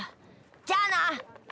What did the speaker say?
じゃあな！